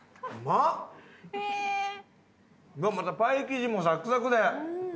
またパイ生地もサクサクで。